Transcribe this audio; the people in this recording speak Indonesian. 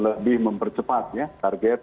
lebih mempercepat target